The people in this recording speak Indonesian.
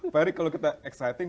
pak erick kalau kita exciting